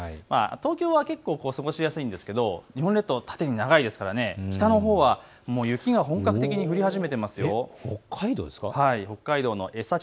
東京は過ごしやすいんですが日本列島、縦に長いですから北のほうは雪が本格的に降り始めています。